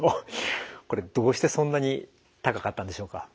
これどうしてそんなに高かったんでしょうか？